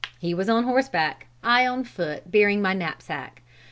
He was on horseback; I on foot bearing my knapsack.